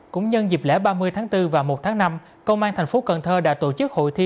cũng nhân dịp lễ ba mươi tháng bốn và một tháng năm công an thành phố cần thơ đã tổ chức hội thi